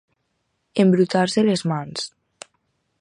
Embrutar-se les mans.